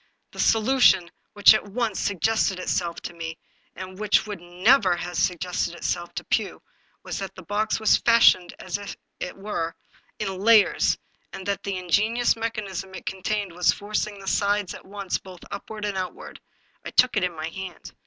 The solution which at once suggested itself to me — ^and which would never have sug gested itself to Pugh! — was that the box was fashioned, as it were, in layers, and that the ingenious mechanism it contained was forcing the sides at once both upward and outward. I took it in my hand.